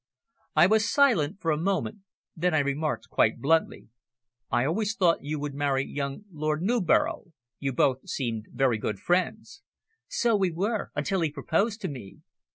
I was silent for a moment, then I remarked quite bluntly "I always thought you would marry young Lord Newborough. You both seemed very good friends." "So we were until he proposed to me."